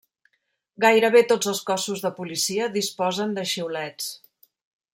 Gairebé tots els cossos de policia disposen de xiulets.